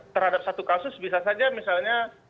terhadap satu kasus bisa saja misalnya